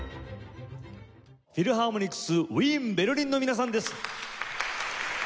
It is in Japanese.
フィルハーモニクスウィーン＝ベルリンの皆さんです。